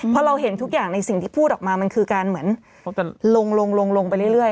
พอเราเห็นทุกอย่างในสิ่งที่พูดออกมามันคือการเหมือนลงลงไปเรื่อย